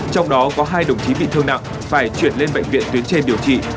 trong đó có hai đồng chí bị thương nặng phải chuyển lên bệnh viện tuyến trên điều trị